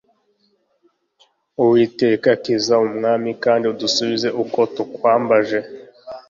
Uwiteka kiza umwami , kandi udusubize uko tukwambaje